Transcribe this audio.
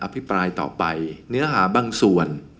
พิปรายต่อไปเนื้อหาบางส่วน